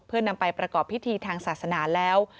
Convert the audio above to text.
เพื่อนำไปประกอบพิธีทางศาสนาแล้ว